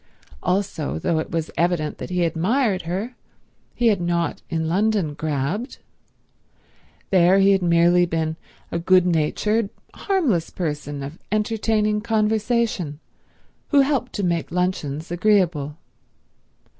Also, though it was evident that he admired her, he had not in London grabbed. There he had merely been a good natured, harmless person of entertaining conversation, who helped to make luncheons agreeable.